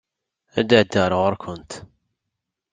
Ad d-ɛeddiɣ ar ɣuṛ-kent.